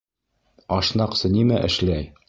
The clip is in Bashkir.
Ашнаҡсы нимә эшләй?